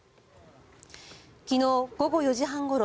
昨日午後４時半ごろ